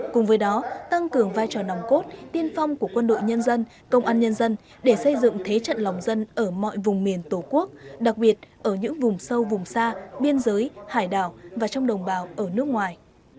cùng với đó tăng cường vai trò nòng cốt tiên phong của quân đội nhân dân công an nhân dân để xây dựng thế trận lòng dân ở mọi vùng miền tổ quốc đặc biệt ở những vùng sâu vùng xa biên giới hải đảo và trong đồng bào ở nước ngoài